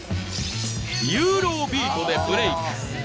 ユーロビートでブレイク。